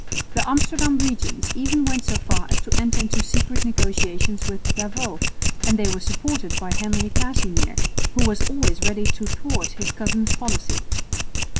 The Amsterdam regents even went so far as to enter into secret negotiations with D'Avaux; and they were supported by Henry Casimir, who was always ready to thwart his cousin's policy.